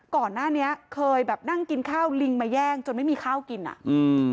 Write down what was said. ก่อนหน้านี้เคยแบบนั่งกินข้าวลิงมาแย่งจนไม่มีข้าวกินอ่ะอืม